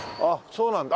そうなんだ。